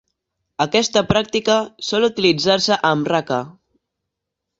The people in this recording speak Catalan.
Aquesta pràctica sol utilitzar-se amb Rake.